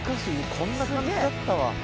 こんな感じだったわ。